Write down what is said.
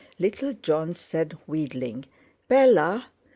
Little Jon said, wheedling, "Bella!"